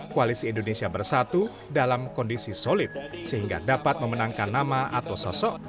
koalisi indonesia bersatu dalam kondisi solid sehingga dapat memenangkan nama atau sosok